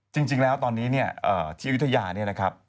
จริงแล้วตอนนี้ที่ยุทธยานะครับ